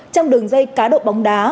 trong đường dây cá độ bóng đá